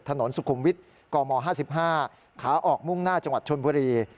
ถนนสุขุมวิทย์กม๕๕ขาออกมุ่งหน้าจังหวัดชนบุรี